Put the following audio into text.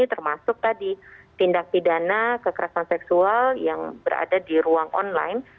termasuk tadi tindak pidana kekerasan seksual yang berada di ruang online